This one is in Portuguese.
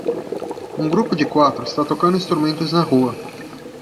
Um grupo de quatro está tocando instrumentos na rua